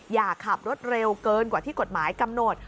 อย่าขับรถเร็วเกินกว่าที่กฎหมายกำหนด